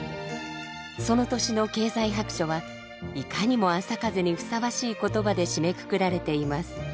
その年の経済白書はいかにもあさかぜにふさわしい言葉で締めくくられています。